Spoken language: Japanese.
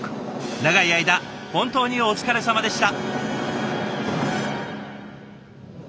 長い間本当にお疲れさまでした。